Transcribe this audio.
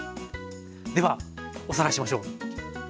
ではおさらいしましょう。